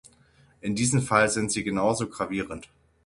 In diesem Fall sind sie genauso gravierend.